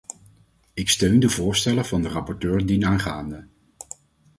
Ik steun de voorstellen van de rapporteur dienaangaande.